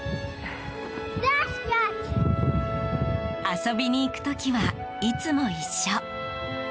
遊びに行く時はいつも一緒。